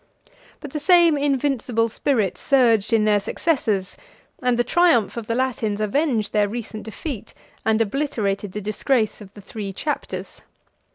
104 But the same invincible spirit survived in their successors; and the triumph of the Latins avenged their recent defeat, and obliterated the disgrace of the three chapters.